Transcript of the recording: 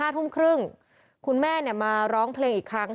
ทุ่มครึ่งคุณแม่มาร้องเพลงอีกครั้ง